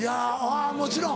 あぁもちろん。